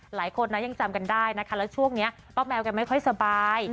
หลายคนนะยังจำกันได้นะคะแล้วช่วงนี้ป้าแมวแกไม่ค่อยสบาย